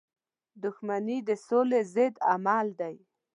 • دښمني د سولی ضد عمل دی.